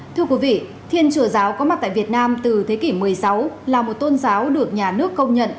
thưa quý vị thiên chùa giáo có mặt tại việt nam từ thế kỷ một mươi sáu là một tôn giáo được nhà nước công nhận